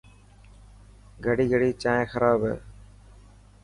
گڙي گڙي جائين خراب هي.